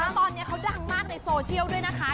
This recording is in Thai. ตอนนี้เขาด้ำมากในโซเชียลด้วยนะคะ